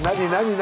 何？